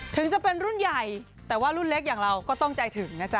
ถึงจะเป็นรุ่นใหญ่แต่ว่ารุ่นเล็กอย่างเราก็ต้องใจถึงนะจ๊